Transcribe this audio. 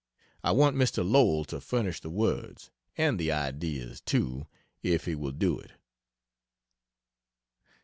I want Mr. Lowell to furnish the words (and the ideas too,) if he will do it.